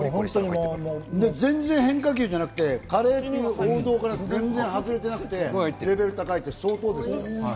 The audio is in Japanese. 全然変化球じゃなくて、カレーの王道から全然外れてなくて、レベルが高いって相当ですよ。